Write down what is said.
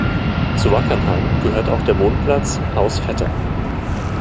Zu Wackernheim gehört auch der Wohnplatz „Haus Vetter“.